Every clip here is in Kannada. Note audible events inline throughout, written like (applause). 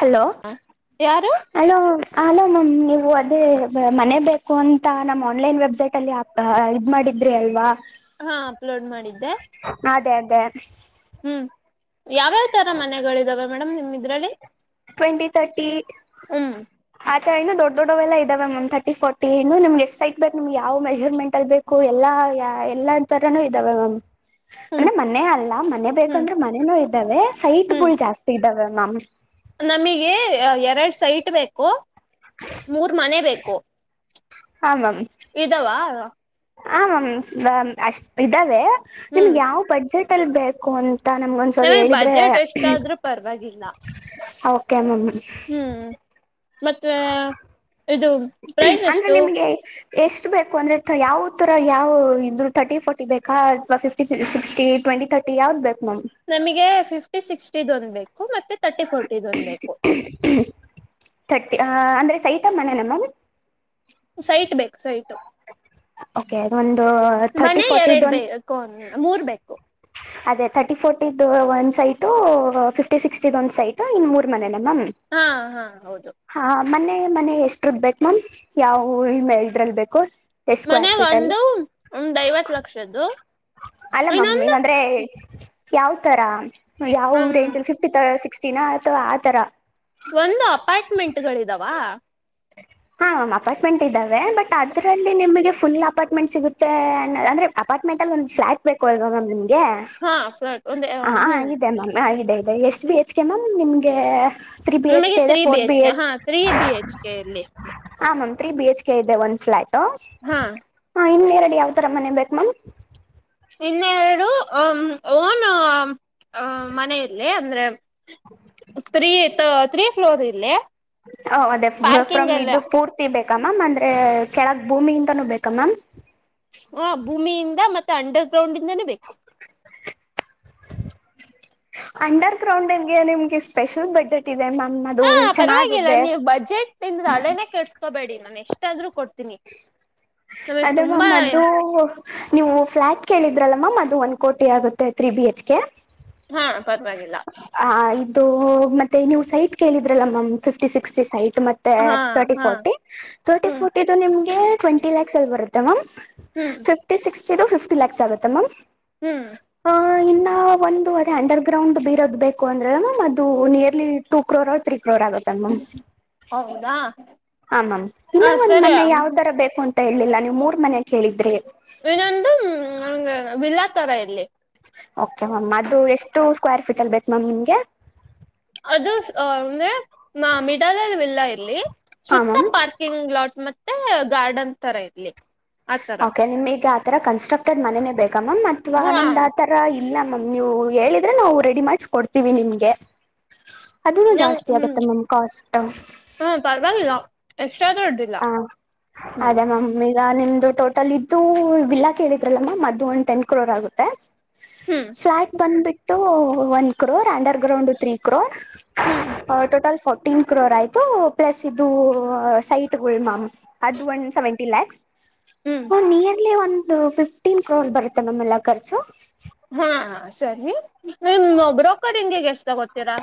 ಹಲೋ ಯಾರು ಹಲೋ ಹಲೋ ಮಾಮ್ ನೀವು ಅದ್ ತ್ತೆ ಮನೆ ಬೇಕ್ ಹು ಅಂತ ನಮ್ ಆನ್ಲೈನ್ ವೆಬ್ಸೈಟ್ ಅಲ್ಲಿ ಅಪ್ ಇದ್ ಮಾಡಿದ್ರಿ ಅಲ್ವಾ ಹಾ ಅಪ್ಲೋಡ್ ಮಾಡಿದ್ದೆ ಹ ಹ್ಮ್ ಯಾವ್ಯಾವ್ ತರ ಮನೆಗಳಿದಾವೆ ಮೇಡಮ್ ನಿಮ್ ಇದ್ರಲ್ಲಿ ಟ್ವೆಂಟಿ ತರ್ಟಿ ಹ್ಮ್ ಇನ್ನು ದೊಡ್ ದೊಡ್ಡವೆಲ್ಲ ಇದಾವೆ ಮ್ಯಾಮ್ ತರ್ಟಿ ಫೋರ್ಟಿ ಇನ್ನು ನಿಮಗೆಷ್ಟ್ ಸೈಟ್ ಬೇಕ್ ನಿಮ್ಗೆ ಯಾವ ಮೆಜರ್ಮೆಂಟ್ ಅಲ್ಲಿ ಬೇಕು ಎಲ್ಲ ಎಲ್ಲ ತರಾನೂ ಇದ್ದಾವೆ ಮ್ಯಾಮ್ ಹ್ಮ್ ಅಂದ್ರೆ ಮನೆೇ ಅಲ್ಲ ಮನೆ ಹ್ಮ್ ಬೇಕಂದ್ರೆ ಮನೇನೂ ಇದ್ದಾವೆ ಸೈಟ್ಗಳು ಜಾಸ್ತಿ ಇದ್ದಾವೆ ನಮ್ ನಮಿಗೆ ಎರಡು ಸೈಟ್ ಬೇಕು ಮೂರ್ ಮನೆ ಬೇಕು ಇದಾವ ಆ ಮ್ಯಾಮ್ ಅಷ್ಟ್ ಇದ್ದಾವೆ ನಿಮ್ಗೆ ಯಾವ್ ಬಡ್ಜೆಟ್ ಎಂತಲ್ ಬೇಕು ಅಂತ ನಮ್ಗೊಂದ್ಸರಿ ನನಗ್ ಹೇಳಿದ್ರೆ ಬಜೆಟ್ ಎಷ್ಟಾದ್ರೂ ಪರವಾಗಿಲ್ಲ ಓಕೆ ನನ್ನಿ (inaudible) ಹ್ಮ್ ಮತ್ತೆ ಇದು ಪ್ರೈಸ್ ಅಂದ್ರೆ ಎಷ್ಟು ನಿಮ್ಗೆ ಎಷ್ಟು ಬೇಕು ಅಂದರೆೆ ಯಾವ ಥರ ಯಾವ ಇದರು ತರ್ಟಿ ಫೋರ್ಟಿ ಬೇಕಾ ಅಥವಾ ಫಿಫ್ಟಿ ಸಿಕ್ಸ್ಟಿ ಟ್ವೆಂಟಿ ತರ್ಟಿ ಯಾವ್ದು ಬೇಕು ನಮಗೆ ಫಿಫ್ಟಿ ಸಿಕ್ಸ್ಟಿದ್ಂದ್ ಬೇಕು ಮತ್ತೆ ತರ್ಟಿ ಫೋರ್ಟಿದ್ ಒಂದಬೇಕು ತರ್ಟಿ ಅಂದ್ರೆ ಸೈಿತ ಮನೆನ ಮ್ಯಾಮ್ ಸೈಟ್ ಬೇಕು ಸೈಟು ಓಕೆ ಒಂದು ತರ್ಟಿ ಮನೆ ಫೋರ್ಟಿದ ಎರಡು ಒಂದು ಬು ಮೂರ್ ಬೇಕು ಅದೇ ತರ್ಟಿ ಫೋರ್ಟಿದ್ ಒಂದ್ ಸೈಟು ಫಿಫ್ಟಿ ಸಿಕ್ಸ್ಟಿದ ಒಂದ್ ಸೈಟ್ ಇನ್ ಮೂರ್ ಮನೆ ಹಾ ಹಾ ಹೌದು ಹ ಮನೆ ಮನೆ ಎಷ್ಟುದ ಬೇಕು ಮ್ಯಾಮ್ ಯಾವವು ಇ ಮೇ ಇದ್ರಲ್ ಬೇಕು ಎಷ್ಟ್ ಮನೆ ಸ್ಕ್ವೇರ್ ಫೀಟ್ ಅಲ್ಲಿ ಒಂದು ಒಂದ್ ಐವತ್ ಲಕ್ಷದ್ದು ಅಲ್ಲ ಮಮ್ಮ್ ಇನ್ನೊಂದು ಇಗಂದ್ರೆ ಯಾವ ತರ ಯಾವ್ ಹ್ಮ್ ರೇಂಜಲ್ಲಿ ಫಿಫ್ಟಿ ಸಿ ಸಿಕ್ಸ್ ದಿನ ಅಯತವಾ ಆ ತರ ಒಂದು ಅಪಾರ್ಟ್ಮೆಂಟ್ಗಳಿದಾವ ಹಾ ಮಾಮ್ ಅಪಾರ್ಟ್ಮೆಂಟ್ ಇದಾವೆ ಬಟ್ ಅದರಲ್ಲಿ ನಿಮಗೆ ಫುಲ್ ಅಪಾರ್ಮೆಂ ಸಿಗುತ್ತೆ ಅಂದ್ರೆ ಅಪಾರ್ಟ್ಮೆಂಟ್ ಅ ಒಂದು ಫ್ಲಾಟ್ ಬೇಕ ಅಲ್ವಾ ಮ್ಯಾಮ್ಮಗೆ ಹಾ ಫ್ಲಾಟ್ ಒಂದ ಹ್ಮ್ ಹಾಗಿದ್ದ ಮಮ್ಮ ಆ ಅದ ಎಷ್ಟು ಬಿ ಹೆಚ್ ಕೆ ಮ್ಯಾಮ್ ನಿಮ್ಗೆ ತ್ರೀ ಬಿ ಎಚ್ ನಮಗೆ ಕೆ ಇದೆ three B four H K ಹಾ ತ್ರೀ ಬಿ ಹೆಚ್ ಕೆ ಇಲ್ಲಿ ಹ ma'am three B H K ಇದೆ ಒನ್ ಫ್ಲಾಟ್ ಟು ಹಾ ಹಾ ಹೀಂಗೆ ಕಡೆ ಯಾವ್ ತರ ಮನೆ ಬೇಕ ಮ್ಯ್ ಇನ್ನೆರಡು ನ್ ಹ ಮನೆಯಲ್ಲಿ ಅಂದ್ರೆ ತ್ರಿ ತೀರ್ಟಿ ಫ್ಲೋರ್ ಇಲ್ಲ ಹ ಅದೇ ಫ್ರಮ್ ಇದು ಪೂರ್ತಿ ಬೇಕ ಮ್ಯಾಮ್ ಅಂದ್ರೆ ಕೆಳಗ್ ಭೂಮಿಇಂಧನೂ ಬೇಕಾ ಮ್ಯಾಮ್ ಹಾ ಭೂಮಿಯಿಂದ ಮತ್ತೆ ಅಂಡರ್ ಗ್ರೌಂಡ್ ಇಂದದಾನೇ ಬೇಕು ಅಂಡರ್ ಗ್ರೌಂಡಗೆ ನಿಮ್ಗೆ ಸ್ಪೆಷಲ್ ಬಜೆಟ್ ಇದೆ ಮ್ಯಾಮ್ ಅದು ಹಾ ಪರವಾಗಿಲ್ಲ ಚೆನ್ನಾಗಿದೆ ನೀವು್ ಬಜೆಟ್ ಇಂದ ಹಳೇನೇ ಕಳ್ಸ್ಕೋಬೇಡಿ ನಾನ ಎಷ್ಟ ಆದ್ ಕೊಟ್ಟ ಅದ ಮ ಅ್ದು ನೀವು ಫ್ಲಾಟ್ ಕೇಳಿದ ಲ್ಲ ಮಾಮ್ ಅದು ಒನ್ ಕೋಟಿ ಆಗುತ್ತೆ ತ್ರಿ ಬಿ ಎಚ್ ಕೆ ಹಾ ಪರವಾಗಿಲ್ಲ ಹ ಇದು ಮತ್ತೆ ನೀವು ಸೈಟ್ ಕೇಳಿದ್ರಲ್ಲ ಮ್ಯಾಮ್ ಫಿಫ್ಟಿ ಸಿಕ್ಸ್ಟಿ ಸೈಟ್ ಮತ್ತೆ ಹಾ ತರ್ಟಿ ಹಾ ಫೋರ್ಟಿ ತರ್ಟಿ ಹ್ಮ್ ಫೋರ್ಟಿದು ನಿಮ ಟ್ವೆಟಿ ಲ್ಯಾಕ್ಸ್ಲ್ಲಿ ಬರುತ್ತೆ ಮಾಮ್ ಹ್ಮ್ ಫಿಫ್ಟಿ ಸಿಕ್ಸ್ ಇದು ಫಿಫ್ಟ ಲ್ಯಾಕ್ಸ್ಗುತ್ತ ಮಾಮ್ ಹ್ಮ್ ಒಂದು ಅದೇ ಅಂಡರ್ ಗ್ರೌಂಡ್ ಬೇ ಬೇಕ ಅಂದ್ರೆ ಮ್ಯ್ ಅದು ನಿಯರ್ಲಿ ಟೂ ಕ್ರೋರ್ ತ್ೀ ಇನ್ಕ್ಲೂಡ್ ಆಗತ್ತಲ್ಮ್ಮ ಹೌದಾ ಹಾಮ್ ಇನ್ನ ಹ ಒಂದ್ ಸರಿ ಮನೆ ಯಾವ್ ತರ ಬೇಕು ಅಂತ ಹೇಳಲಿಲ್ಲ ನೀವ್ ಮೂರ್ ಮನ ಕೇಳಿದ್ರಿ ಇನ್ನೊಂದುಂಗ ವಿಲ್ಲಾ ತರ ಎಲ್ಲಿ ಕೆ ಮ್ಯಾಮ್ ಅದು ಎಷ್ಟು ಸ್ಕ್ವೇರ್ ಫೀಟ್ ಅಲ್ಲಿ ಬೇಕ ನಾಮ್ ನಿಗೆ ಅದು ಅಂದ್ರೆ ನ ಮಿಡಾಲ ಇಲ್ಲ ಇರ್ಲ್ಲಿ ಹಾ ಸುತ್ತ ಮ್ಯಾಮ್ ಪಾರ್ಕಿಂಗ್ ಲಾಟ್ ಮೆ ಮತ್ತೆ ಗಾರ್ಡನ್ ತರ ಇರ್ಲಿ ಆತರ ಓಕೆ ನಿಮ್ ಈಗ ಆ ತರ ಕನ್ಸ್ಟ್ರಕ್ಟೆಡ್ ಮನೆನೆೇ ಕಮ ಮತ್ವಾ ಹಾ ಅನ ದಾತರ ಇ ಇಲ್ಲ ಮ್ಯ್ ನೀವು ಹೇಳಿದ್ರೆ ನಾವು ರೆಡಿ ಮಾಡಸ್ಕೊಡ್ತೀವಿ ನಿಮ್ಗೆ ಅದನ್ನ ನಂಗ್ ಜಾಸ್ತಿ ಹ್ಮ್ ಆಗತ್ತೆ ಮ್ಯಾಮ್ ಕಾಸ್ಟ್ ಹಾ ಪರವಾಗಿಲ್ಲ ಎಕ್ಸ್ಟ್ರಾ ದುಡ್ಡಿಲ್ಲ ಹ ಹ್ಮ್ ಅದಮ್ಮಿ ಲ್ಲ ನಿಮ್ದು ಟೋಟಲ್ ಇದು ವಿಲ್ಲಾ ಕೇಳಿದ್ರಲ್ಲ ಮ್ಯಾಮ್ ಅದು ಒಂದು್ ಟೆನ್ ಕ್ರೋರ್ ಆಗುತ್ತೆ ಹ್ಮ್ ಫಲ್ಯಾಟ್ ಬಂದ್ಬಿಟ್ಟು ತೋ one crore underground three crore ಹ್ಮ್ ಟೋಟಲ್ ಫೋ ಟೀನ್ ಕ್ರೋರ್ ಆಯ್ತು ಪ್ಲಸ್ ಇದು ಸೈಟ್ ಮಾಯಾಮ್ ಅದು ಒನ್ ಸೆವೆಂಟಿ ಲ್ಯಾಕ್ಸ್ ಹ್ಮ್ ಹ ನೀ ಲ್ಲಿ ಒಂದು ಫಿಫ್ಟೀನ್ ಕ್ರೋರ್ ಬರುತ್ತೆ ಮಾಮ್ ಎಲ್ಲ ಖರ್ಚು ನಿಮ್ಮ್ ಬ್ರೋಕರಿಂಗಗೆ ಎಷ್ಟ ತಗೋತೀರಾ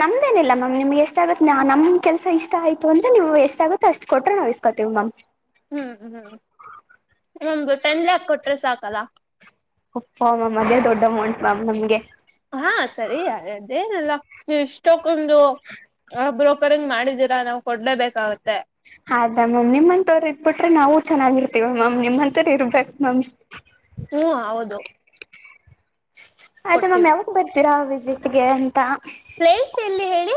ನಮ್ದೇನಿಲ್ಲ ಮ್ಯಾಮ್ ನಿಮ್ಗೆ ಎಷ್ಟಾಗಗುತ್ತೆ ನಮ್ ಕೆಲ್ಸ ಇಷ್ಟ ಆಯ್ತು ಅಂದ್ರೆ ನೀವು ಎಷ್ಟಾಗಗುತ್ತೆ ಅಷ್ಟ್ ಕೊಟ್ಟ್ರೆ ನಾವವು ಇಸ್ಕೊತೀವಿ ಮ್ಯಾಮ್ ಹ್ಮ್ ಹ್ಮ್ ಒಮ್ದಂದು ಟೆನ್ ಲ್ಯಾಕ್ ಕೊಟ್ರೆ ಸಾಕಲ್ಲ ಹ ಹಾ ಸರಿ ಅದೇನಲ್ಲ ಇಷ್ಟಕ್ಕೊಂದುಬ್ರ ಕುಕ್ಕರಿಂಗ್ ಮಾಡಿದೀರಾ ನಾವು ಕೊಡ್ಲೇಬೇಕಾಗತ್ತೆ ಅದಾ ಮ್ಯಾಮ್ ನಿಮ್ಮಂತವ್ರ ಇದ್ಬಿಟ್ರೆ ನಾವು ಚೆನ್ನಾಗಿರ್ತೀವಿ ಮ್ಯಾಮ್ ನಿಮ್ಮ ಇರ್ಬೇಕು ನಮ್ ಹ್ಮ್ ಹೌದು ಅದೇ ಮಾಮ್ ಕೊಡ್ತೀವಿ ಯಾವಾಗ ಬರ್ ವಿಸಿಟ್ಗೆ ಅಂತ ಪ್ಲೇಸ್ ಎಲ್ಲಿ ಹೇಳಿ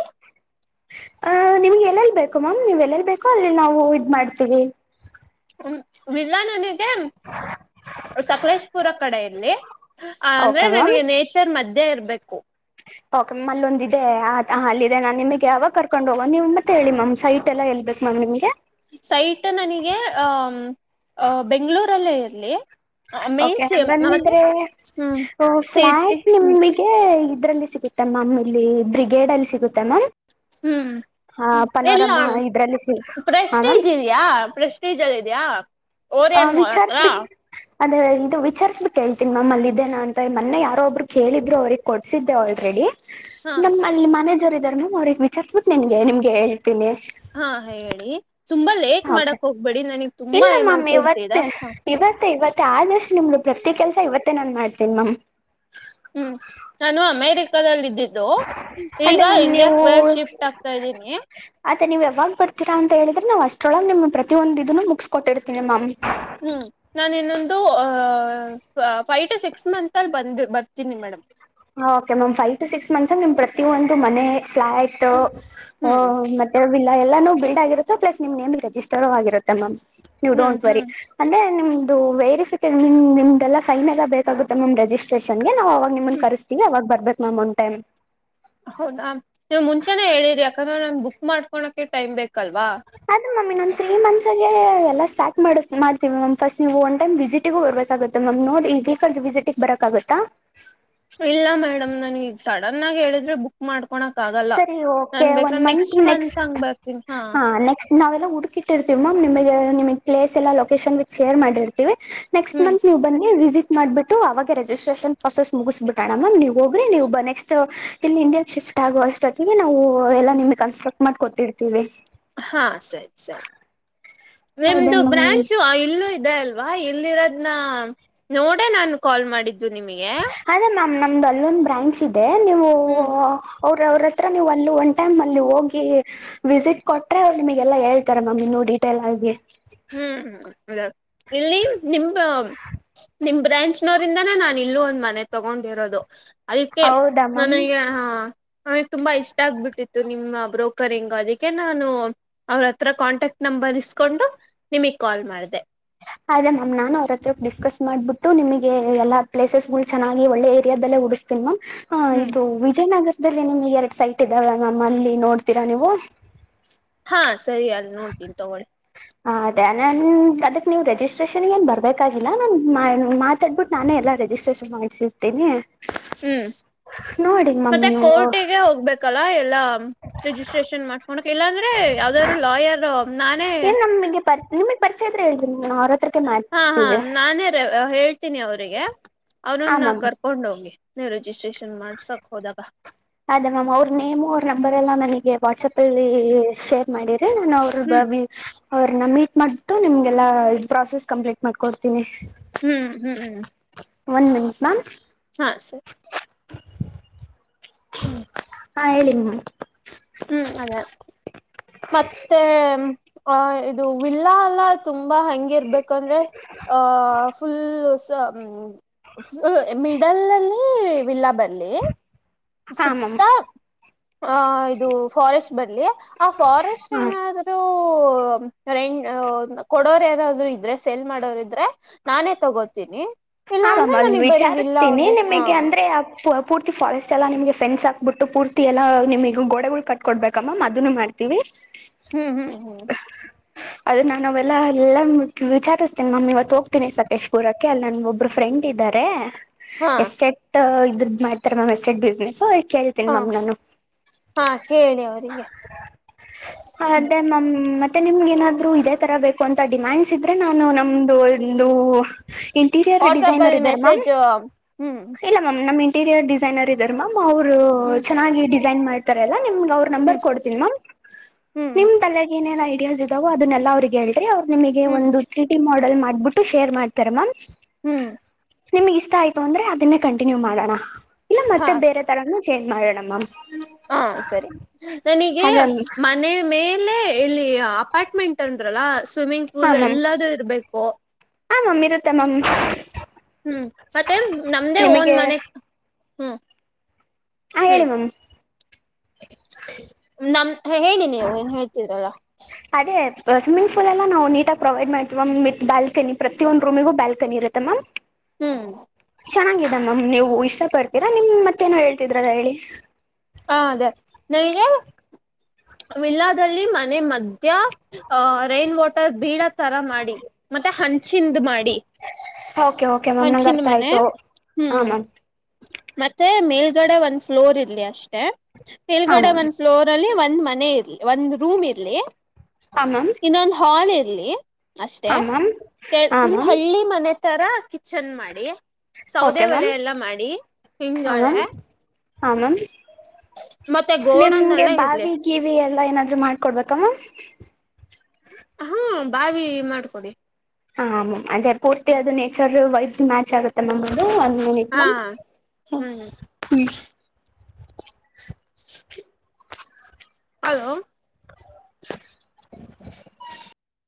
ಅ ನಿಮ್ಗೆ ಎಲ್ಲೆಲ್ ಬೇಕು ಮ್ಯಾಮ್ ನೀವುಎಲ್ಲಲ್ಲಿ ಬೇಕೋ ಅಲ್ಲಿ ನಾವು ಇದ್ ಮಾಡ್ತೀವಿ (inaudible) ಇಲ್ಲ ನನಗೆ ಸಕಲೇಶಪುರ ಕಡೆಯಲ್ಲಿ ಅ ಅಂದ್ರೆ ಓಕೆ ಮ್ಯಾಮ್. ನನಗೆ ನೇಚರ್ ಮಧ್ಯೆ ಇರ್ಬೇಕು ಓಕೆ ಮಲ್ಲೊಂದ ಹಾಲ್ಲಿದೆ ನಾನೆ ಯಾವಾಗ ಕರ್ಕೊಂಡ್ಗವ್ ಮತ್ತೆ ಹೇಳಿ ಮ್ ಸೈಟ್ ಎಲ್ಲ ಎಲ್ಲಿಬೇಕು ಮಾಗ್ ನಿಮಗೆ ಸೈಟ್ ನನಗೆ ಅ ಬೆಂಗಂಳೂರಲ್ಲೇ ಇ ಲೆ ಓಕೆ ಹಂಗಂದ್ರೆ ಹ್ಮ್ ಹ ಸಿಟಿ ಫ್ಲಾಟ್ ಹ್ಮ್ ನಿಮಗೆ ಇದ್ರಲ್ಲಿ ಸಿಗುತ್ತೆ ಮ್ಯಾಮ್ ಇಲ್ಲಿ ಬ್ರಿಗೇಡ್ ಅಲ್ಲಿ ಸಿಗುತ್ತೆ ಮ್ಯಾಮ್ ಹ್ಮ್ ಹಾ ಎಲ್ಲ ಪನೋರಮ್ಮ ಇದ್ರಲ್ಲಿ ಸಿ ಹಾ ಮ್ಯಾಮ್ ಪ್ರೆಸ್ಟೇಜ್ ಇದ್ಯಾ ಪ್ರೆಸ್ಟೇಜ್ ಅಲ್ಲಿ (unintelligible) ದ (unintelligible) ಒರಿಯನ್ ಮಾಲ್ ಹತ್ರ ವಿಚಾರ್ಸ್ಬಿಟ್ ಅದೇ ಇದು ವಿಚಾರ್ಬಿಟ್ಟು ಹೇಳ್ತೀನಿ ಮ್ಯಾಮ್ ಅಲ್ಲಿ ಇದೇನ ಅಂತ ಮೊನ್ನೆ ಯಾರೋ ಒಬ್ಬರು ಕೇಳಿದ್ರು ಅವಿಗೆ ಕೊಡ್ಸಿದ್ದೆ ಆಲ್ರೆಡಿ ಹಾ (unintelligible) ಮನೆ ಇದಾರೆ (unintelligible) ನ್ ಅವ್ರಗ್ ವಿಚಾರ್ಸುಬಿಟ್ ನಿನ್ಗೆ ನಿಮಗೆಳ್ತೀನಿ ಹಾ ಹೇಳಿ ತುಂಬಾ ಲೇಟ್ ಓಕೆ ಮಾಡಕ್ ಹೋಗ್ಬೇಡಿ ನನಗ್ ತುಂಬಾ ಇಲ್ಲ ಮ್ಯಾಮ್ ಎಮರ್ಜೆನ್ಸಿ ಇದೆ ಇವತ್ತೆ ಹಾ (unintelligible) ಆದಷ್ಟು ನಿಮು ಪ್ರತಿ ಕೆಲ್ಸ ಇವತ್ತೇ ನಾನ್ ಮಾಡ್ತೇನ ಮಾಮ್ ಹ್ಮ್ ನಾನು ಅಮೇರಿಕದಲ್ಲಿದ್ದೇನ್ (unintelligible) ಈಗ ಅದೇ ಮ್ಯಾಮ್ ಇಂಡಿಯಾಕ್ (unintelligible) ಶಿಫ್ಟ್ ಆಗ್ತಾ ಇದ್ದೀನಿ ಮತ್ತ ನೀವು ಯಾವಾಗ ಬರ್ತೀರಾ ಅಂತ ಹೇಳಿದ್ರೆ ನಾವು ಅಷ್ಟೊಳ ನಿಮ್ ಪ್ರತ ಒಂದಂದು ಇದನ್ನು ಮುಗಸ್ಕ ಕೊಟ್ಟಿರ್ತೀ ಮಾಮ್ ಹ್ಮ್ ನಾನ ಇನ್ನೊಂದು ಫೈವ್ ಟು ಸಿಕ್ಸ್ ಮಂತ್ ಅಲ್ಲಿ ಬಂದ್ ಬರ್ತೀನಿ madam okay ma'am five to six months ನಿಮ್ ಪ್ರತಿಯೊಂದು ಮನೆ ಫ್ಲೈಟ್ ಹ್ಮ್ ಅ ಹ್ಮ್ ಮತ್ತೆ ಇಲ್ಲ ಎಲ್ಲಾ ಬಿಲ್ಡ್ ಆಗಿರುತ್ತೆ ಪ್ಲಸ್ ನಿಮ್ ನೇಮ ರೆಜಿಸ್ಟರ್ ಆಗಿರುತ್ತೆ ಮಾಮ್ ನೀವು ಹ್ಮ್ ಡೋಂಟ್ ವರಿ ಹ್ಮ್ ಅಂದ್ರೆ ನಿಮ್ ಇದು ವೆರಿಫಿಕೇನ್ ನಿಮ್ ನಿಮ್ದೆಲ್ಲ ಸೈನ್ ಎಲ್ಲ ಬೇಕಾಗುತ್ತೆ ಮ್ಯಾಮ್ ರೆಜಿಸ್ಟ್ರೇಷನ್ (unintelligible) ಅವಾಗ ನಿಮ್ಮ ಹ್ಮ್ ಕರಸ (unintelligible) ಅವಾಗ ಬರ್ಬೇಕು ಮಾಮ್ ಒನ್ ಟೈಮ್ ಹೌದಾ ನೀವ್ ಮುಂಚೆನೆ ಹೇಳಿದ್ರರಿ ಯಾಕಂದ್ರ ನನ್ ಬುಕ್ ಮಾಡ್ಕೋಳಕೆ ಟೈಮ್ ಬೇಕು ಅದ ಮಮ್ಮಿ (unintelligible) ಒಂದು ತ್ರಿ ಮಂತ್ ಎಲ್ಲಾ ಸ್ಟಾರ್ಟ್ ಮಾಡ ಮಾಡ್ತೀವಿ ಮ್ಯಾಮ್ ಫಸ್ಟ್ ನೀವು ಒನ್ ಟೈಮ್ ವಿಸಿಟಿಗೂ ಹೊರ್ಬೇಕಾಗುತ್ತೆ ಮ್ಯಾಮ್ ನೋಡಿ (unintelligible) ವಿಸಿಟಿಗೆ ಬರಕಾಗುತ್ತಾ ಇಲ್ಲ ಮೇಡಮ್ ನಾನ್ ಈಗ ಸಡನ್ ಆಗಿ ಹೇಳಿದ್ರೆ ಬುಕ್ ಮಾಡ್ಕೊ ಕೋಳಕ್ ಆಗಲ್ಲ ಸರಿ ಓಕೆ ನನ್ ಒನ್ ಬೇಕಾದ ನೆಕ್ಸ್ಟ್ ಮಂತ್ ಹಂಗ ಬರ್ತೀನಿ ಹಾ ನಾವೆಲ್ಲ ಹುಡುಕಿಟ್ಟಿರ್ತೀವಿ ಮ್ಯಾಮ್ ನಿಮಗೆ ನಿಮಗ್ ಪ್ಲೇಸ್ ಎಲ್ಲ ಲೊಕೇಶನ್ ವಿಥ್ ಶೇರ್ ಮಾಡಿರ್ತೀವಿ ನೆಕ್ಸ್ಟ್ ಹ್ಮ್ ಮಂತ್ ನೀವ್ ಬನ್ನಿ ವಿಸಿಟ್ ಮಾಡ್ಬಿಟ್ಟು ಅವಾಗ ರಿಜಿಸ್ಟ್ರೇಷನ್ ಪ್ರೊಸೆಸ್ ಮುಗಿಸ್ಬಿಟ್ಟೋಣ ಮ್ಯಾಮ್ ನೀವು ಹೋಗ್ರಿ ನೀವ್ ನೆಕ್ಸ್ಟ್ ಇಲ್ಲಿ ಇಂಡಿಯಾ ಶಿಫ್ಟ್ ಆಗುವ (unintelligible) (unintelligible) ನಾವು ಎಲ್ಲಾ ನಿಮಗೆ ಕನ್ಸ್ಟ್ರಕ್ಟ್ ಮಾಡಕೊಟ್ಟಿರ್ತೀವಿ ಹಾ ಸರಿ ಸರಿ ಅದೇ ನಿಮ್ದು ಮ್ಯಾಮ್ ಬ್ರಾಂಚು ಇಲ್ಲೂ ಇದೆ ಅಲ್ವಾ ಅಲ್ವಾ ಇಲ್ಲಿರೋದ್ನ ನೋಡೆ ನಾನು ಕಾಲ್ ಮಾಡಿ ದು ನಿಮಗೆ ನಮ್ದ ಅಲ್ಲೊಂದು ಬ್ರಾಂಚ್ ಇದೆ ಅದೇ ನೀವು ಹ್ಮ್ ಅವರು ಅವ್ರ ಹತ್ರ ನೀವು ಅಲ್ಲಿ ಒನ್ ಟೈಮ್ ಅಲ್ಲಿ ಹೋಗಿ ವಿಸಿಟ್ ಕೊಟರೆೆ ಅವ್ರು ನಿಮಗೆಲ್ಲ ಹೇಳ್ತಾರೆ ಮ್ಯಾಮ್ ಇನ್ನುೂ ಡೀಟೇಲ್ ಆಗಿ ಹ್ಮ್ ಇಲ್ಲಿ ನಿಮ್ ನಿಮ್ ಬ್ರ್ಯಾಂಚ್ನೋರಿಂದಾನೇ ನಾನ್ ಇಲ್ಲೂ ಒಂದ್ ಮನೆ ತಗೊಂಡಿರೋದು ಅದಕ್ಕೆ ಹೌದಾ ಮ್ಯಾಮ್ ನನಗೆ ಹಾ ಅವಗ್ ತುಂಬಾ ಇಷ್ಟ ಆಗ್ಬಿಟ್ಟಿತ್ತು ನಿಮ್ಮ ಬ್ರೋಕರಿಂಗ್ ಅದಕ್ಕೆ ನಾನು ಅವ್ರ ಹತ್ರ ಕಾಂಟ್ಯಾಕ್ಟ್ ನಂಬರ್ ಇಸ್ಕೊಂಡು ನಿಮಗ್ ಕಾಲ್ ಮಾಡಿದೆ ಅೇ ಮ್ಯಾಮ್ ನಾನನ್ ಅವ್ರ ಹತ್ರ ಡಿಸ್ಕಸ್ ಮಾಡ್ಬಿಟ್ಟು ನಿಮಗೆ ಎಲ್ಲ ಪ್ಲೇಸಸ್ ಗಳು ಚನ್ನಾಗಿ ಒಳ್ಳೆ ರಿಯಾದಲ್ಲೇ ಹುಡುಕ್ತನಿ ಮ್ಯಾಮ್ ಹ ಹ್ಮ್ ಇದು ವಿಜಯನಗರ ಇದಲ್ಲಿ ನಿಮ್ಗೆ ಎರಡು ಸೈಟ್ ಇದದೆಲ್ಲ ಮ್ಯಾಮ್ ಅಲ್ಲಿ ನೋಡ್ತೀರಾ ನೀವು ಹಾ ಸರಿ ಅಲ್ ನೋಡ್ತೀನಿ ತಗೋೊಳ್ಳಿ ಹ ಅದೇ ನ ಅದಕ್ಕೆ ನೀವು ರಿಜಿಸ್ಟ್ರೇಷನ್ ಏನುನ್ ಬರಬೇಕಾಗಿಲ್ಲ ನಾನು ಮಾ ಮಾತಾಡ್ಬಿಟ್ಟು ನಾನೇ ಎಲ್ಲ ರಿಜಿಸ್ಟ್ರೇಷನ್ ಮಾಡ್ಸರ್ತೀನಿ ಹ್ಮ್ ಮತ್ತೆ ನೀವು ಕೋರ್ಟಿಗೆ ಹೋಗ್ಬೇಕಲ್ಲ ಜಿಸ್ಟ್ರ ಇಲ್ಲಾಂದ್ರೆ ಯಾವ್ದಾದ್ರು ಲಾಯರ್ ನಾನೇ ಪರಿಯತ್ರ ಹೇಳ್ರಿ ಮ್ಯಾಮ್ ಅವ್ರ ಹತ್ರಕ್ಕೆ ಹಾ ಹಾ ಮಾಡ್ಸ್ತೀವಿ ನಾನೇ ರ ಹ ತನಿ ಅವ್ರಿಗೆ ಹಾ ಅವನನ್ನ ಮ್ಯಾಮ್ ಕರ್ಕೊಂಡ ಹೋಗಿ ಸರಿ ರಿಜಿಸ್ಟ್ರೇಷನ್ ಮಾಡ್ಸಕ್ ಹೋದಾಗ ಅದೇ ಮ್ಯಾಮ್ ಅವ್ರ ನೇಮ್ ಅವ್ರ ನಂಬರ್ ಎಲ್ಲ ನನಗೆ ವಾಟ್ಸಪ್ಲ್ಲಿ ಶೇರ್ ಮಾಡಿ ನಾನು ಅವ್ರ ಬ ಹ್ಮ್ ಅವ್ರನ್ನ ಮೀಟ್ ಮಾಡ್ಬಿಟ್ಟು ನಿಮ್ಗೆಲ್ಲ ಪ್ರಾಸೆಸ್ ಕಂಪ್ಲೀಟ್ ಮಾಡ್ಕೊಡ್ತೀನಿ ಹ್ಮ್ ಹ್ಮ್ ಹ್ಮ್ ಒನ್ ಮಿನಿಟ್ ಮ್ಯಾಮ್ ಹ ಸ ಹಾ ಹೇಳನ್ ನ ಹ್ಮ್ ಅದೇ ಮತ್ತೆ ಆ ಇದು ವಿಲ್ಲಾ ಅಲ್ಲ ತುಂಬ ತುಂಬಾ ಹ ಇರ್ಬೇಕಂದ್ರೆ ಆ ಫುಲ್ ಸ ಮಿಡಲ್ಲ್ಲಿ ವಿಲ್ಲ ಬರಲಿ ಹಾ ಮ್ಯಾಮ್ ಸುತ್ತ ಹ ಆಯ್ ದು ಫಾರೆಸ್ಟ್ ಬ ಆ ಫಾರೆಸ್ಟ್ ಹಾ ಏನಾದ್ರು ರ ಕೊಡೋರ್ ಏನಾದ್ರು ಇದ್ರೆ ಸೇಲ್ ಮಾಡೋರ ಇದ್ರೆ ನಾನೇ ತಗೋತೀನಿ ಇಲ್ಲ ಹಾಮ ಅಂದ್ರೆ ಅಲ್ಲಿ ನನಗ್ ಬರೀ ವಿಲ್ಲಾ ವಿಚಾರಿಸತೀನಿ ಒಂದೇ ಹಾ ನಿಮಗೆ ಅಂದ್ರೆ ಪೂರ್ತಿ ಫಾರೆಸ್ಟ್ ಎಲ್ಲಾ ನಿಮಗೆ ಫ್ರೆಂಡ್ಸ್ ಹಾಕ್ಬಿಟ್ಟು ಪೂರ್ತಿ ಎಲ್ಲಾ ನಿಮಗ್ಗೆ ಗೋಡೆಗಳು ಕಟ್ ಕೊಡ್ಬೇಕ ಮ್ಯಾಮ್ ಅದನ್ನು ಮಾಡ್ತೀವಿ ಹ್ಮ್ ಹ್ಮ್ ಹ್ಮ್ ಅದ ನಾನು ಅವೆಲ್ಲಾ ಎಲ್ಲ ವಿಚಾರಿಸ್ತೇನಿ ನಮ್ಮಿ ಇವತ್ತು ಹೋಗ್ತೀನಿ ಸಕೇಶ್ ಗೂಡಕ್ಕೆ ಅಲ್ಲ ನಗೆ ಹೋಗ ಅವಬ್ರು ಫ್ರೆಂಡ್ ಇದ್ದಾರೆ ಹಾ ಎಸ್ಟೇಟ್ ಅದ ಮಾಡ್ತಾರೆ ನಮ ಎಸ್ಟೇಟ್ ಬಿಸ್ನೆಸ್ ಹ ಕೇಳತೀನಿ ಮಮ್ ನಾನು ಹಾ ಕೇಳಿ ಅವರಿಗೆ ಅದೇ ಮಮ್ ಮತ್ತೆ ಮತ್ತೆ ನಿಮ್ಗೆ ಏನಾದ್ೂ ಇದೇ ತರ ಬೇಕು ಅಂತ ಡಿಮ್ಯಾಂಡ್ಸ್ ಇದ್ರೆ ನಾನು ನಮ್ದು ಒಂದು ಇಂಟೀರಿಯರ್ ವಾಟ್ಸಪ್ ಡಿಸೈನರ್ ಅಲ್ಲಿ ಇದ್ದಾರೆ ಮೆಸೇಜ್ ಹ್ಮ್ ಇಂಟೀರಿರ್ ಡಿಸೈನರ್ ಇದರಮ್ಮಾಮ ಅವರು ಹ್ಮ್ ಚೆನ್ನಾಗಿ ಡಿಸ ಜನ್ ಮಾಡ್ತಾರಲ್ಲ ನಿಮ್ ನರ್ ಹ್ಮ್ ಕೊಡ್ ನಿ ಹ್ಮ್ ತ ಐಡಿಯಾ ಇದಾವ ಅದನ್ನಲ್ಲ ಅವ್ರರಿಗೆ ಹೇಳ ಅವ್ರು ನಿಮಗೆ ಹ್ಮ್ ಒಂದು ಚೀಟಿ ಮಾಡ ಮಾಡ್ಬಿಟ್ಟು ಶೇರ್ ಮಾಡ್ತಾರೆ ಮ್ಯಾಮ್ ಹ್ಮ್ ನಿಮ್ಗ್ ಇಷ್ಟ ಆಯ್ತು ಅಂದ್ರೆ ಅದನ್ನೇ ಕಂಟಿನ್ಯೂ ಮಾಡೋಣ ಇಲ್ಲ ಹಾ ಮತ್ತೆ ಬೇರೆ ತರಾನ ಚೇಂಜ್ ಮಾಡೋಣಮ್ಮ ಹಾ ಸರಿ ನನಗೆ ಅದೇ ಮನೆ ಮೇ ಲ್ಲ ಇಲ್ಲಿ ಅಪಾರ್ಟ್ಮೆಂಟ್ ಅಂದ್ರಲ್ಲ ಸ್ವಿಮ್ಮಿಂಗ್ ಹಾ ಪೂಲ್ ಮ್ಯಾಮ್ ಎಲ್ಲದುೂ ಇರ್ಬೇಕು ಓ ಹಾ ಮ್ಯಾಮ್ ಇರುತ್ತೆ ಮ್ಯಾಮ್ ಹ್ಮ್ ಮತ್ತೆ ನಮ್ದೇ ಓನ್ ನಿಮಗೆ ಮನೆ ಹ್ಮ್ ಹಾ ಹೇಳಿ ಮ್ಯಾಮ್ ನಮ್ ಹೇಳಿ ನೀವು ಏನ್ ಹೇಳ್ತಿದ್ರಲ್ಲ ಅದೇ ಸ್ವಿಮ್ಮಿಂಗ್ ಪಲ್ಲ್ಲ ನಾವು ನೀಟಾಗಿ ಪ್ರೊವೈಡ್್ವಿ ಮಾಮ್ ವಿತ್ ಬಲ್ನ ಪ್ರತಿ ಒಂದು ರೂಮಿಗೂ ಬ್ಯಾಲ್ಕನಿರುತ್ತೆ ಮ್ಯಾಮ್ ಹ್ಮ್ ಚೆನ್ನಾಗಿದ್ದ ಮ್ಯಮ್ ನೀವು ಇಷ್ಟ ಪಡ್ತೀರಾ ನಿಮ್ ಮತ್ತೇನ ಹೇಳ್ತಿದ್ರಲ್ಲ ಹೇಳಿ ಹ ಅದೇ ನನಗೆ ವಿಲ್ಲಾದಲ್ಲಿ ಮನೆ ಮಧ್ಯ ಅ ರೈನ್ ವಾಟರ್ ಬೀಡ ತರ ಮಾಡಿ ಮತ್ತೆ ಹಂ ಚಿಂದ ಮಾಡಿ ಓಕೆ ಓಕೆ ಮ್ಯಾಮ್ ಒಂದ ಚಿ ನಂಗೆ ಅರ್ಥ ಮನೆ ಆಯ್ತು ಹಾ ಹ್ಮ್ ಮ್ಯಾಮ್ ಮತ್ತೆ ಮೇಲ್ ಈಗಡೆ ಒಂದು ಫ್ಲೋರ್ ಇಲ್ಲಿ ಅಷ್ಟು ತ್ತ ಹಾ ನಿಲ್ಗಡೆ ಮ್ಯಾಮ್ ಒಂದ್ ಫ್ಲೋರ್ ಅಲ್ಲಿ ಒಂದ್ ಮನೆ ಇರ್ಲಿ ಒಂದು್ ರೂಮ್ ಇರ್ಲಿ ಹಾ ಮ್ಯಾಮ್ ಇನ್ನೊಂದು್ ಹಾಲ್ ತ ಇಲ್ಲಿ ಅಷ್ಟೇ ಹಾ ಮ್ಯಾಮ್ ಕೆ ಹಾ ಫುಲ್ ಮ್ಯಾಮ್ ಹಳ್ಳಿ ಮನೆ ತರ ಚಂದ ಮಾಡಿ ಸೌದೆ ಓಕೆ ಮ್ಯಾಮ್ ಒಲೆ ಎಲ್ಲ ಮಾಡಿ ಹಾ ಹಿಂಗಳೆ ಮ್ಯಾಮ್ ಹಾ ಮ್ಯಾಮ್ ಮತ್ತೆ ನಿಮ್ಗೆ ಗೋಡನ್ನೆಲ್ಲ ಇರ್ಲಿ ಬಾವಿ ಗೀವಿ ಎಲ್ಲಾ ಏನಾದ್ರು ಮಾಡ್ಕೊಡ್ಬೇಕಮ್ಮ ಹಾ ಬಾವಿ ಮಾಡ್ಕೊಡಿ ಹ್ ಅದೆ ಪೂರ್ತಿ ಅದು ನೇಚರ್ ವೈಬ್ಸ್ ಮ್ಯಾಚ್ ಆಗುತ್ತೆ ಮ್ಯಾಮ್ ಅದು ಮಿನಿಟ್ ಹಾ ಮ ಹ್ಮ್ ಹ (inaudible) ಹಲೋ (inaudible)